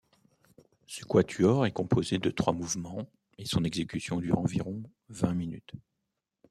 Ce quatuor est composé de trois mouvements et son exécution dure environ vint minutes.